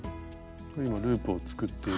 今ループを作っている。